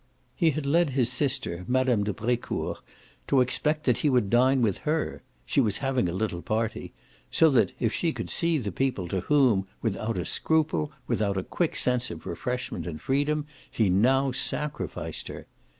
He had led his sister, Mme. de Brecourt, to expect that he would dine with her she was having a little party; so that if she could see the people to whom, without a scruple, with a quick sense of refreshment and freedom, he now sacrificed her!